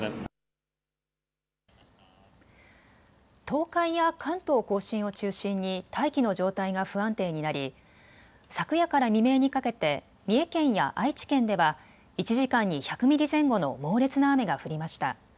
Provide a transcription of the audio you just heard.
東海や関東甲信を中心に大気の状態が不安定になり昨夜から未明にかけて三重県や愛知県では１時間に１００ミリ前後の猛烈な雨が降りました。